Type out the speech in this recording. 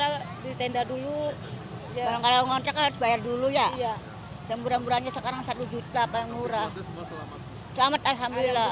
gak mikirin dagangan mikirin tanah cukup saya